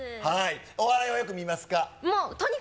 お笑いはよく見ますか。